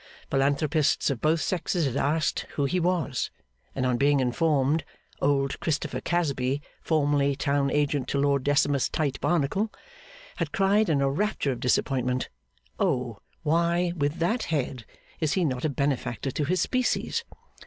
Philanthropists of both sexes had asked who he was, and on being informed, 'Old Christopher Casby, formerly Town agent to Lord Decimus Tite Barnacle,' had cried in a rapture of disappointment, 'Oh! why, with that head, is he not a benefactor to his species!